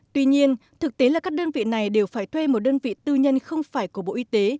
tuy nhiên thực tế là các đơn vị này đều phải thuê một đơn vị tư nhân không phải của bộ y tế